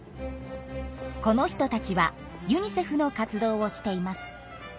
この人たちはユニセフの活動をしています。